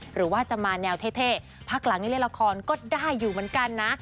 หรือว่าจะมาแนวเท่พักหลังนี้เล่นละครก็ได้อยู่เหมือนกันนะ